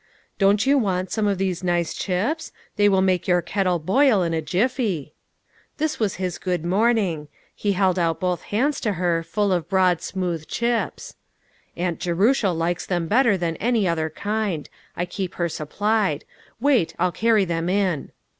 "Don't you want some of these nice chips? They will make your kettle boil in a jiffy." This was his good morning ; he held out both hands to her, full of broad smooth chips. " Aunt Jerusha likes them better than any other kind ; I keep her supplied. Wait, I'll carry them in."